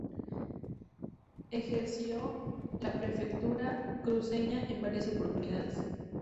Ejerció la Prefectura cruceña en varias oportunidades.